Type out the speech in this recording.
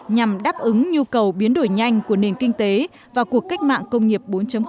nhằm đáp ứng nhu cầu biến đổi nhanh của nền kinh tế và cuộc cách mạng công nghiệp bốn